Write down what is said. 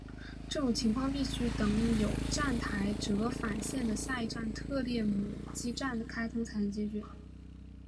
这种情况必须等有站后折返线的下一站特列姆基站开通才能解决。